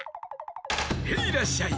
ヘイらっしゃい！